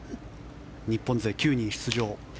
日本勢、９人出場。